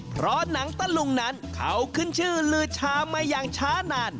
เพราะหนังตะลุงนั้นเขาขึ้นชื่อลือชามาอย่างช้านาน